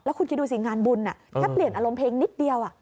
คุณคิดดูสิงานบุญแค่เปลี่ยนอารมณ์เพลงนิดเดียว